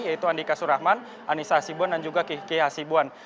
yaitu andika surahman anissa hasibwan dan juga kiha hasibwan